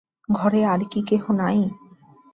ঘরে আর কি কেহ নাই?